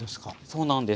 そうなんです。